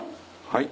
はい。